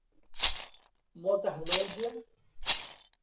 Mozarlândia